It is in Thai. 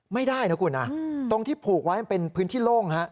ไม่ได้นะคุณนะตรงที่ผูกไว้มันเป็นพื้นที่โล่ง